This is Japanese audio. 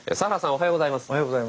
おはようございます。